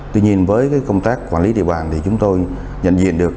tuy nhiên với công tác quản lý địa bàn thì chúng tôi nhận diện được